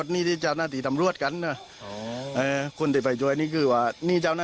ไม่ปิดหน้าคนเดียวกันเดท